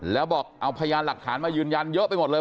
แล้วบอกเอาพยานหลักฐานมายืนยันเยอะไปหมดเลย